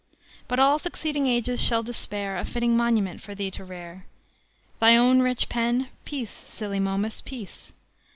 But all succeeding ages shall despair A fitting monument for thee to rear. Thy own rich pen (peace, silly Momus, peace!)